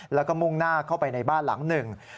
แล้วก็มุ่งหน้าเข้าไปในบ้านหลังหนึ่ง